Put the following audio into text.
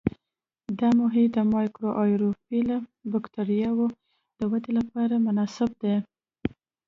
دا محیط د مایکروآیروفیل بکټریاوو د ودې لپاره مناسب دی.